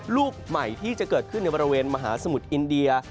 ลูกใหม่ที่จะเกิดขึ้นในบริเวณมหาสมุทรอินเดีย